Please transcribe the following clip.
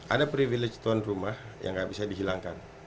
ada privilege tuan rumah yang nggak bisa dihilangkan